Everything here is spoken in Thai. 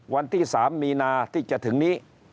วันที่๓มีนาที่จะถึงนี้